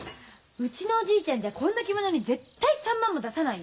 うちのおじいちゃんじゃこんな着物に絶対３万も出さないよ。